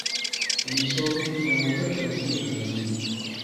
Ensolo kyabugagga eri abalimi.